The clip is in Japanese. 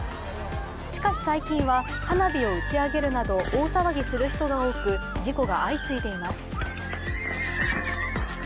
しかし最近は花火を打ち上げるなど大騒ぎする人が多く事故が相次いでいます。